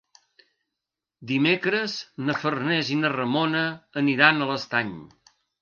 Dimecres na Farners i na Ramona aniran a l'Estany.